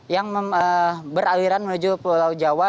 yang beraliran menuju pulau jawa